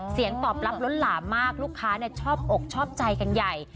เสียงตอบรับล้นหลามมากลูกค้าชอบอกชอบใจกันใหญ่